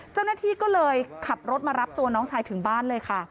เจ้าหน้าที่ก็เลยขับรถมารับตัวน้องชายถึงบ้านเลยค่ะ